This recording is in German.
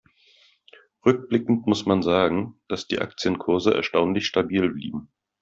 Rückblickend muss man sagen, dass die Aktienkurse erstaunlich stabil blieben.